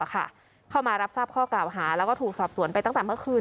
เข้ามารับทราบข้อกล่าวหาแล้วก็ถูกสอบสวนไปตั้งแต่เมื่อคืน